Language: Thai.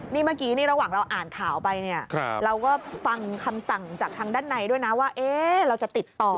นี่เมื่อกี้นี่ระหว่างเราอ่านข่าวไปเนี่ยเราก็ฟังคำสั่งจากทางด้านในด้วยนะว่าเราจะติดต่อ